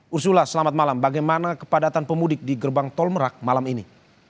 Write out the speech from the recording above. usullah selamat malam bagaimana kepadatan pemudik di gerbang tol merak malam ini